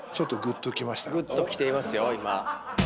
グッときていますよ今。